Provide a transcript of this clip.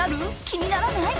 気にならない？